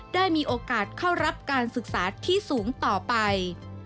ได้มีโอกาสเข้ารับการศึกษาที่สูงต่อไป